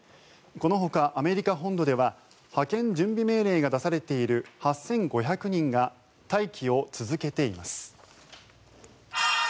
このほかアメリカ本土では派遣準備命令が出されている８５００人が待機を続けています。